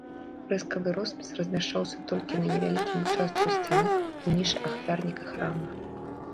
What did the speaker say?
Фрэскавы роспіс размяшчаўся толькі на невялікім участку сцяны ў нішы ахвярніка храма.